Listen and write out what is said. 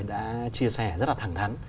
đã chia sẻ rất là thẳng thắn